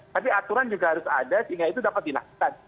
tapi aturan juga harus ada sehingga itu dapat dilakukan